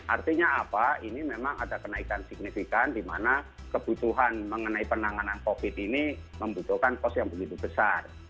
artinya apa ini memang ada kenaikan signifikan di mana kebutuhan mengenai penanganan covid ini membutuhkan kos yang begitu besar